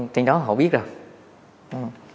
trên đó họ biết rồi